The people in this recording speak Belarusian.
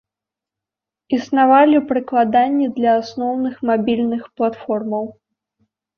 Існавалі прыкладанні для асноўных мабільных платформаў.